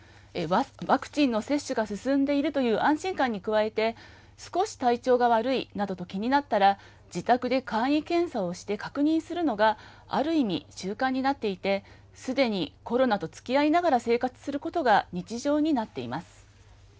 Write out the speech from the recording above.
ワクチンの接種が進んでいるという安心感に加えて、少し体調が悪いなどと気になったら、自宅で簡易検査をして、確認するのがある意味、習慣になっていて、すでにコロナとつきあいながら生活することが日常になっています。